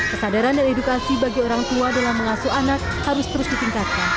kesadaran dan edukasi bagi orang tua dalam mengasuh anak harus terus ditingkatkan